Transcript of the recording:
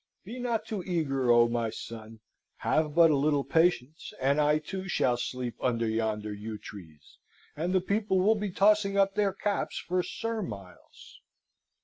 Be not too eager, O my son! Have but a little patience, and I too shall sleep under yonder yew trees, and the people will be tossing up their caps for Sir Miles.